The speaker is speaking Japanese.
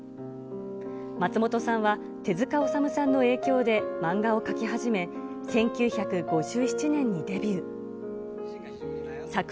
松本さんは、手塚治虫さんの影響で漫画を描き始め、１９５７年にデビュー。